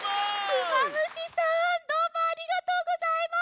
クマムシさんどうもありがとうございます！